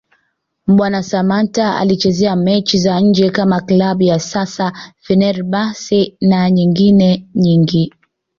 Mbwana Samata alichezea mechi za nje kama Klabu ya sasa Fenerbahce na nyengine nyingi